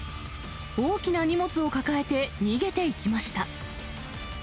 大きな荷物を抱えて逃げていきました。